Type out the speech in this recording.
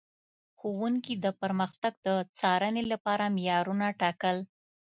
ښوونکي د پرمختګ د څارنې لپاره معیارونه ټاکل.